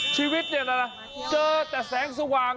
ชีวิตเจอแต่แสงสว่าง